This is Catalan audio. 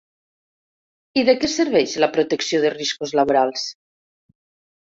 I de què serveix la protecció de riscos laborals?